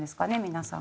皆さん。